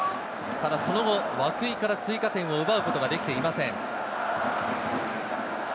その後、涌井から追加点を奪うことができていません。